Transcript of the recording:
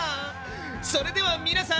それでは皆さん！